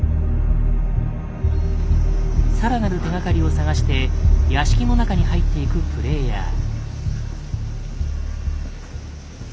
更なる手がかりを探して屋敷の中に入っていくプレイヤー。